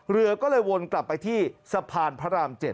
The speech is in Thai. เรือก็เลยวนกลับไปที่สะพานพระราม๗